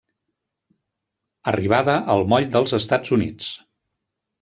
Arribada al Moll dels Estats Units.